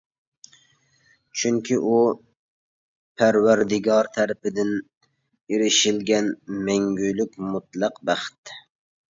چۈنكى ئۇ پەرۋەردىگار تەرىپىدىن ئېرىشىلگەن مەڭگۈلۈك، مۇتلەق بەخت.